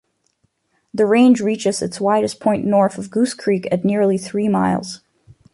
The range reaches its widest point north of Goose Creek at nearly three miles.